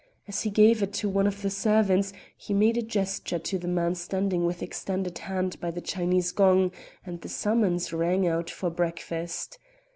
As he gave it to one of the servants he made a gesture to the man standing with extended hand by the Chinese gong, and the summons rang out for breakfast.